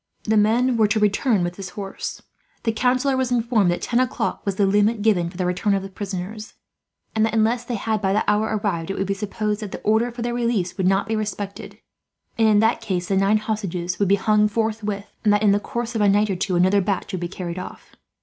The men were to return with his horse. The councillor was informed that ten o'clock was the limit given for the return of the prisoners; and that, unless they had by that hour arrived, it would be supposed that the order for their release would not be respected, and in that case the nine hostages would be hung forthwith; and that, in the course of a night or two, another batch would be carried off.